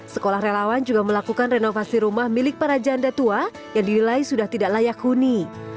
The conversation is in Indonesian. sekolah relawan juga melakukan renovasi rumah milik para janda tua yang dinilai sudah tidak layak huni